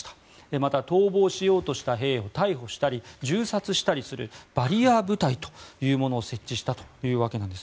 また、逃亡しようとした兵を逮捕したり銃殺したりするバリアー部隊というものを設置したというわけです。